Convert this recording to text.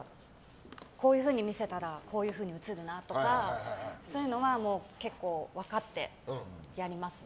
こういうふうに見せたらこういうふうに映るなとかそういうのは結構分かってやりますね。